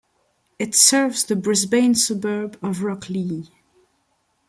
It serves the Brisbane suburb of Rocklea.